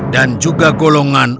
dan juga golongan